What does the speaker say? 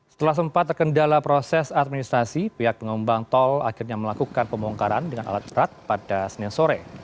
setelah sempat terkendala proses administrasi pihak pengembang tol akhirnya melakukan pembongkaran dengan alat berat pada senin sore